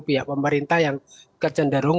pihak pemerintah yang kecenderung